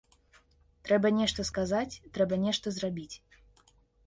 Трэба нешта сказаць, трэба нешта зрабіць.